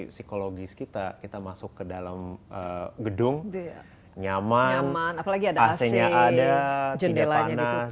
psikologis kita kita masuk ke dalam gedung nyaman apalagi ada ac ac nya ada jendelanya ditutup